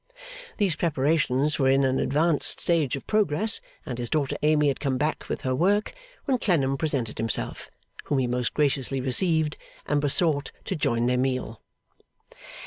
These preparations were in an advanced stage of progress, and his daughter Amy had come back with her work, when Clennam presented himself; whom he most graciously received, and besought to join their meal.